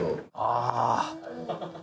ああ！